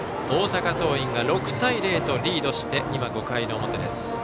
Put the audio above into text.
大阪桐蔭が６対０とリードして今、５回の表です。